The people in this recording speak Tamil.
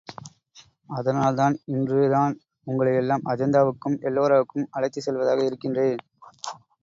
அதனால்தான் இன்று தான் உங்களை எல்லாம் அஜந்தாவுக்கும் எல்லோராவுக்கும் அழைத்துச் செல்வதாக இருக்கின்றேன்.